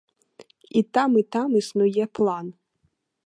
І там, і там існуе план.